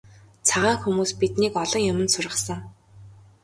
Цагаан хүмүүс биднийг олон юманд сургасан.